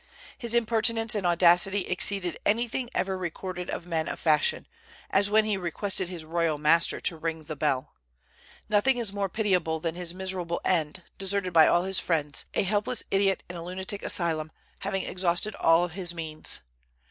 His impertinence and audacity exceeded anything ever recorded of men of fashion, as when he requested his royal master to ring the bell. Nothing is more pitiable than his miserable end, deserted by all his friends, a helpless idiot in a lunatic asylum, having exhausted all his means.